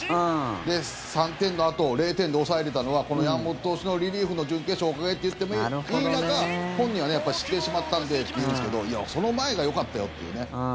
３点のあと０点で抑えれたのはこの山本投手のリリーフの準決勝、おかげと言ってもいい中本人は失点してしまったんでって言うんですけどいや、その前がよかったよっていうね。